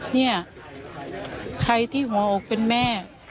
เนี่ยใครที่หัวอกเป็นแม่